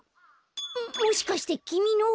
もしかしてきみの？